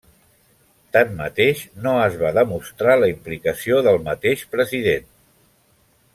Tanmateix, no es va demostrar la implicació del mateix president.